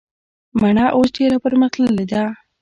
مڼه اوس ډیره پرمختللي ده